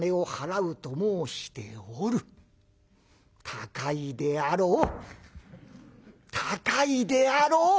高いであろう高いであろう！